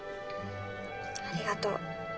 ありがとう。